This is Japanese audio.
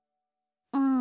うん。